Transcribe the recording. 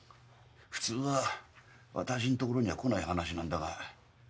普通は私のところには来ない話なんだが。